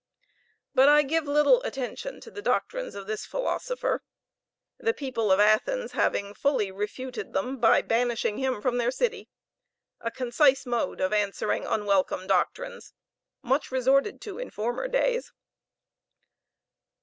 But I give little attention to the doctrines of this philosopher, the people of Athens having fully refuted them by banishing him from their city; a concise mode of answering unwelcome doctrines, much resorted to in former days.